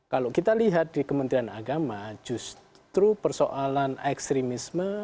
kalau kita lihat di kementerian agama justru persoalan ekstremisme